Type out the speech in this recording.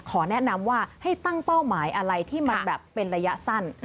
แนะนำว่าให้ตั้งเป้าหมายอะไรที่มันแบบเป็นระยะสั้น